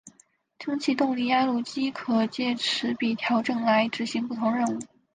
蒸气动力压路机可藉齿比调整来执行不同任务。